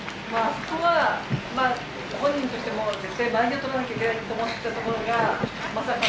そこは本人としても絶対バーディーを取らなきゃいけないと思っていたところが。